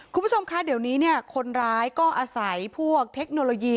คุณผู้ชมคะเดี๋ยวนี้เนี่ยคนร้ายก็อาศัยพวกเทคโนโลยี